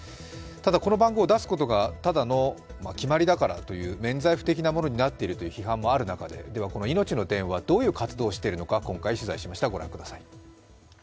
この番号を出すことがただの決まりだからという免罪符的なものになっているという批判もある中で、いのちの電話、どういう活動をしているのか取材しました。